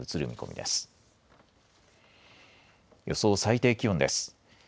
予想最低気温です。